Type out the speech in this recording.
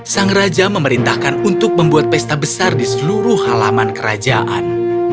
sang raja memerintahkan untuk membuat pesta besar di seluruh halaman kerajaan